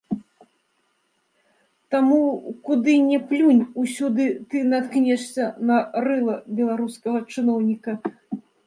Таму куды не плюнь, усюды ты наткнешся на рыла беларускага чыноўніка.